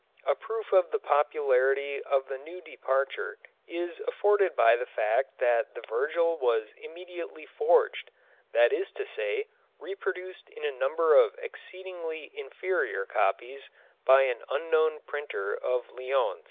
A proof of the popularity of the new departure is afforded by the fact that the Virgil was immediately forged, that is to say, reproduced in a number of exceedingly inferior copies, by an unknown printer of Lyons.